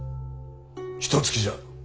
ひとつきじゃ。